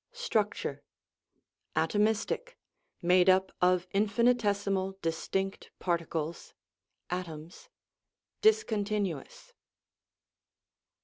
Structure! Atomistic, made up of infinitesi mal, distinct particles (atoms) discontinuous.